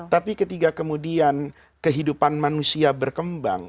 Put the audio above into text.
tapi ketika kemudian kehidupan manusia berkembang